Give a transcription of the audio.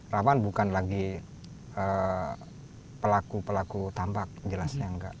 rawan bukan lagi pelaku pelaku tambak jelasnya enggak